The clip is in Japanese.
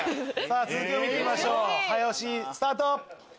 続きを見てみましょう早押しスタート。